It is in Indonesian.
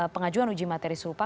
pengajuan uji materi serupa